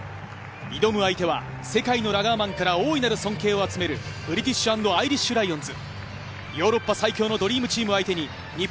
挑む相手は世界のラガーマンから大いなる尊敬を集める、ブリティッシュ＆アイリッシュ・ライオンズ。